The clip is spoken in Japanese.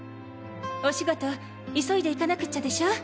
お仕事急いで行かなくっちゃでしょ。